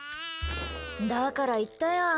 だから言ったやん。